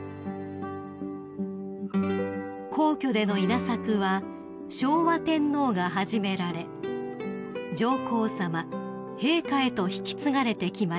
［皇居での稲作は昭和天皇が始められ上皇さま陛下へと引き継がれてきました］